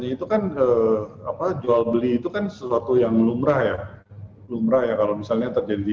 itu kan apa jual beli itu kan sesuatu yang lumrah ya lumrah ya kalau misalnya terjadi